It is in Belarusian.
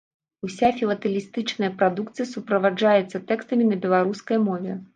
Уся філатэлістычная прадукцыя суправаджаецца тэкстамі на беларускай мове.